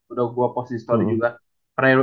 udah gua post di story juga